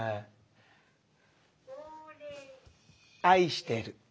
愛してる。